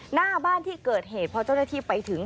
หน้าบ้านที่เกิดเหตุพอเจ้าหน้าที่ไปถึง